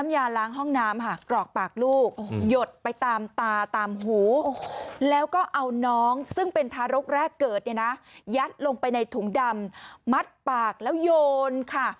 ยัดลงไปในถุงดำมัดปากแล้วโยนค่ะ